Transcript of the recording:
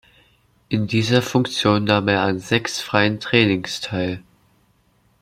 In dieser Funktion nahm er an sechs freien Trainings teil.